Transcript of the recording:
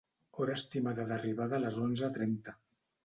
Hora estimada d'arribada a les onze trenta.